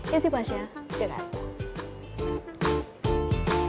ya sih pasha jaga hati